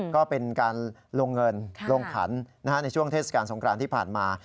ก็เป็นการลงเงินลงขันในช่วงเทศกาลสงครานที่ผ่านมา